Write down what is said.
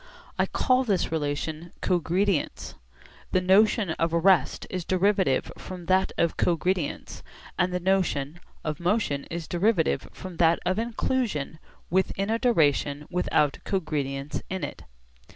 I call this relation 'cogredience.' The notion of rest is derivative from that of cogredience, and the notion of motion is derivative from that of inclusion within a duration without cogredience with it.